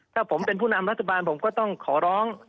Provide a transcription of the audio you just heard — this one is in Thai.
ถ้าผมเป็นผู้นำรัฐบาลผมก็ต้องขอร้อง